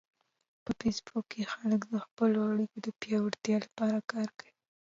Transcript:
په فېسبوک کې خلک د خپلو اړیکو د پیاوړتیا لپاره کار کوي